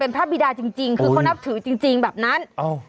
เป็นพระบิดาจริงจริงคือเขานับถือจริงจริงแบบนั้นอ้าว